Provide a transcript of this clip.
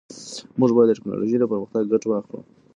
موږ باید د ټیکنالوژۍ له پرمختګ ګټه واخلو.